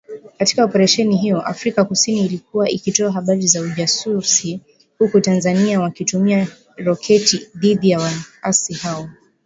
Katika Oparesheni hiyo, Afrika kusini ilikuwa ikitoa habari za ujasusi huku Tanzania wakitumia roketi dhidi ya waasi hao .